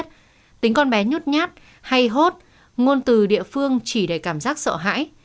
tính con bé nhút nhát hay hốt ngôn từ địa phương chỉ đầy cảm giác sợ hãi